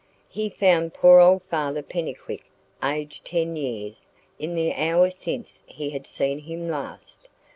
He found poor old Father Pennycuick aged ten years in the hour since he had seen him last.